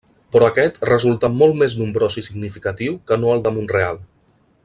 Però aquest resultà molt més nombrós i significatiu que no el de Mont-real.